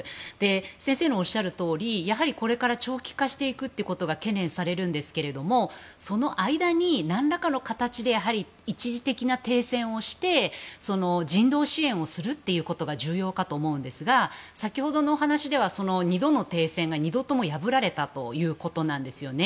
先生のおっしゃるとおりこれから長期化していくことが懸念されるんですけれどもその間に、何らかの形でやはり、一時的な停戦をして人道支援をするということが重要かと思うんですが先ほどのお話では２度の停戦が２度とも破られたということなんですよね。